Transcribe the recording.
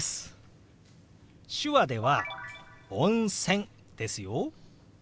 手話では「温泉」ですよ。